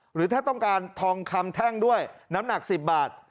หรือถ้าต้องการทองคำแท่งด้วยน้ำหนัก๑๐บาท